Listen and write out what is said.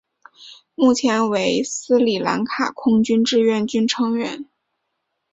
目前为斯里兰卡空军志愿军成员。